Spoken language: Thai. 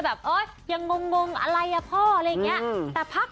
แบบเอ้ยอย่างงงอะไรอะพ่ออะไรอย่างเงี้ยแต่หลัง